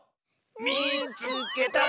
「みいつけた！」。